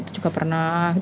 itu juga pernah